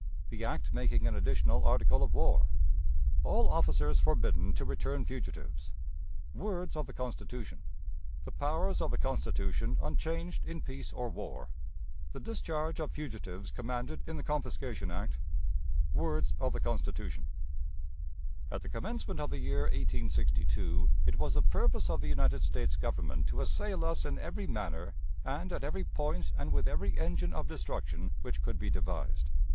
The Act making an Additional Article of War. All Officers forbidden to return Fugitives. Words of the Constitution. The Powers of the Constitution unchanged in Peace or War. The Discharge of Fugitives commanded in the Confiscation Act. Words of the Constitution. At the commencement of the year 1862 it was the purpose of the United States Government to assail us in every manner and at every point and with every engine of destruction which could be devised.